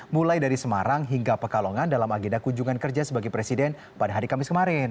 mulai dari semarang hingga pekalongan dalam agenda kunjungan kerja sebagai presiden pada hari kamis kemarin